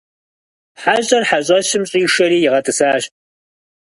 ХьэщӀэр хьэщӀэщым щӀишэри игъэтӀысащ.